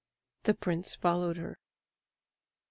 The prince followed her. IX.